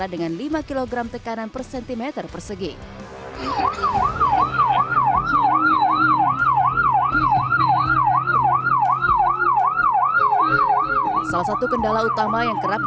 pemadaman diperlukan untuk mengembangkan selang selang yang berbeda